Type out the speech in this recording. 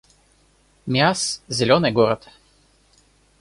Миасс — зелёный город